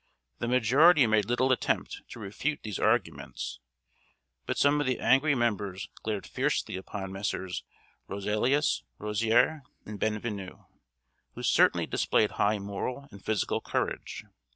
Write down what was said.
The majority made little attempt to refute these arguments, but some of the angry members glared fiercely upon Messrs. Roselius, Rozier, and Bienvenu, who certainly displayed high moral and physical courage.